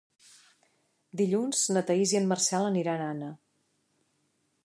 Dilluns na Thaís i en Marcel aniran a Anna.